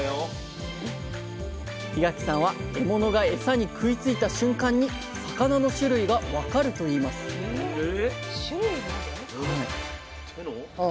檜垣さんは獲物が餌に食いついた瞬間に魚の種類が分かると言いますえ